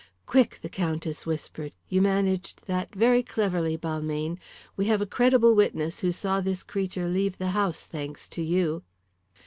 "Quick!" the Countess whispered. "You managed that very cleverly, Balmayne. We have a credible witness who saw this creature leave the house, thanks to you."